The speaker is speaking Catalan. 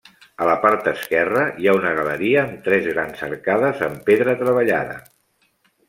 A la part esquerra hi ha una galeria amb tres grans arcades amb pedra treballada.